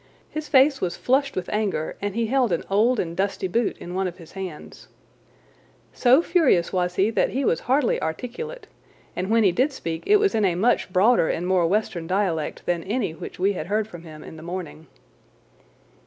His face was flushed with anger, and he held an old and dusty boot in one of his hands. So furious was he that he was hardly articulate, and when he did speak it was in a much broader and more Western dialect than any which we had heard from him in the morning.